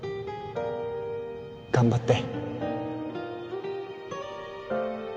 頑張って